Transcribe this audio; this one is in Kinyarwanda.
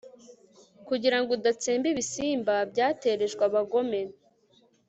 kugira ngo udatsemba ibisimba byatererejwe abagome